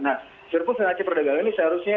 nah surplus neraca perdagangan ini seharusnya